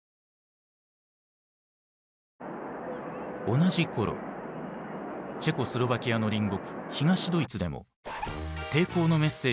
同じ頃チェコスロバキアの隣国東ドイツでも抵抗のメッセージを潜ませた歌が大ヒットする。